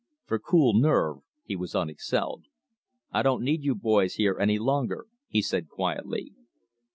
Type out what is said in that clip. For cool nerve he was unexcelled. "I don't need you boys here any longer," he said quietly.